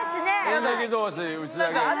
演劇同士打ち上げ。